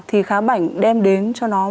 thì khá bảnh đem đến cho nó